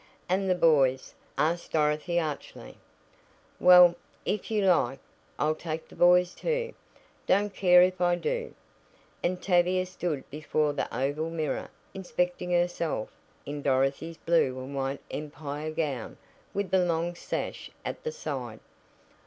"And the boys?" asked Dorothy archly. "Well, if you like, I'll take the boys too. Don't care if I do." And Tavia stood before the oval mirror inspecting herself in Dorothy's blue and white empire gown with the long sash at the side.